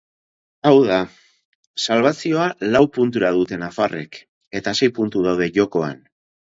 Hau da, salbazioa lau puntura dute nafarrek eta sei puntu daude jokoan.